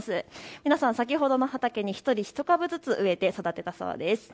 皆さん先ほどの畑に１人１株ずつ植えて育てたそうです。